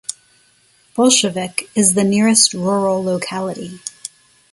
Bolshevik is the nearest rural locality.